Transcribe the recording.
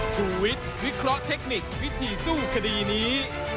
ชูวิทย์วิเคราะห์เทคนิควิธีสู้คดีนี้